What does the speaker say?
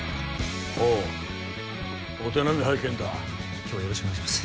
おうお手並み拝見だ今日はよろしくお願いします